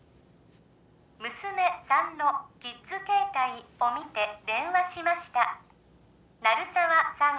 娘さんのキッズ携帯を見て電話しました鳴沢さん